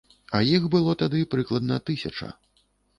А іх было тады, прыкладна, тысяча.